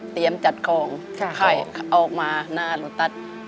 เตรียมจัดของไข่ออกมาหน้าลูตัด